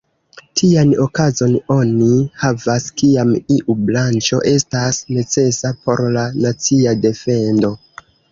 Tian okazon oni havas, kiam iu branĉo estas necesa por la nacia defendo.